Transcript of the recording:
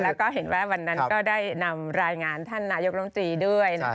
แล้วก็เห็นว่าวันนั้นก็ได้นำรายงานท่านนายกรมตรีด้วย